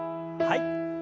はい。